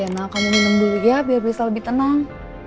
nah kamu minum dulu ya biar bisa lebih tenang